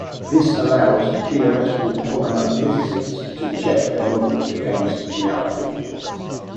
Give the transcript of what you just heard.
This allows theoretical polymer physicists to check their models against reality.